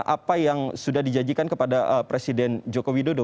apa yang sudah dijanjikan kepada presiden joko widodo